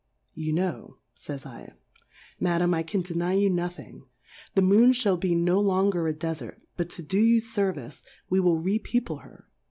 You know, /ays /, Madam, I can deay you nothing ; the Moon fhall be no longer a Defait, but to do you fervice, we will re people her.